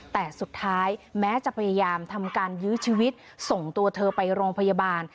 แต่สุดท้ายแม้จะพยายามทำการยื้อชีวิตส่งตัวเธอไปโรงพยาบาล